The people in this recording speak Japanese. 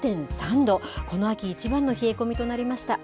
この秋一番の冷え込みとなりました。